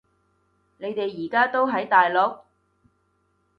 你哋而家都喺大陸？